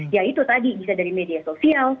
ya itu tadi bisa dari media sosial